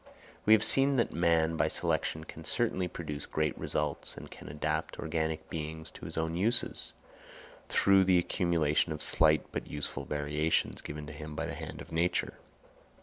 We have seen that man by selection can certainly produce great results, and can adapt organic beings to his own uses, through the accumulation of slight but useful variations, given to him by the hand of Nature.